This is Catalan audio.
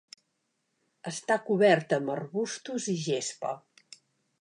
Està coberta amb arbustos i gespa.